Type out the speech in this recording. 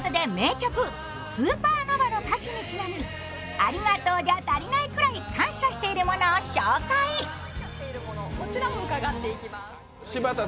ありがとうじゃ足りないくらい、感謝しているものをお伺いします。